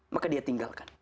maka dia tinggalkan